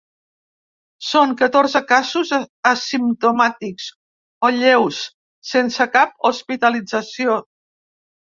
Són catorze casos asimptomàtics o lleus, sense cap hospitalització.